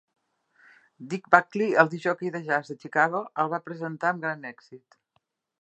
Dick Buckley, el discjòquei del jazz de Chicago, el va presentar amb gran èxit.